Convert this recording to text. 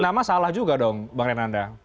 nama salah juga dong bang renanda